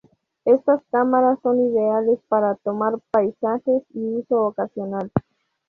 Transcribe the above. Estas cámaras son ideales para tomar paisajes y uso ocasional.